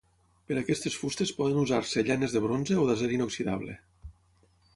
Per a aquestes fustes poden usar-se llanes de bronze o d'acer inoxidable.